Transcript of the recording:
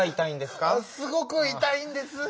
すごくいたいんですぅ。